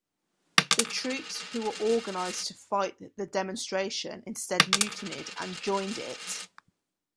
The troops who were organized to fight the demonstration instead mutinied and joined it.